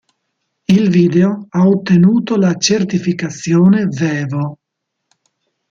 Il video ha ottenuto la Certificazione Vevo.